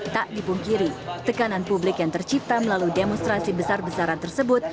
tak dipungkiri tekanan publik yang tercipta melalui demonstrasi besar besaran tersebut